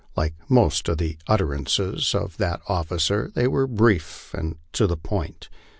Like most of the utterances of that officer, they were brief and to the point.